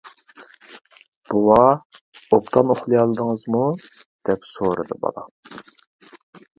-بوۋا، ئوبدان ئۇخلىيالىدىڭىزمۇ؟ -دەپ سورىدى بالا.